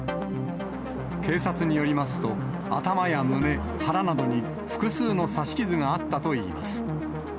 警察によりますと、頭や胸、腹などに複数の刺し傷があったといいます。